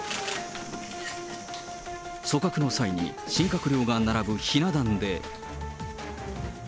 組閣の際に新閣僚が並ぶひな壇で。